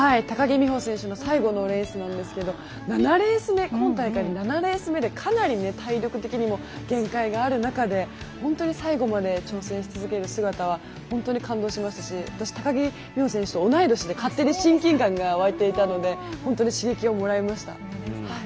高木美帆選手の最後のレースなんですけど７レース目、今大会７レース目でかなり体力的にも限界がある中で本当に最後まで挑戦し続ける姿は本当に感動しましたし私、高木美帆選手と同い年で勝手に親近感が沸いていたので本当に刺激をもらいました。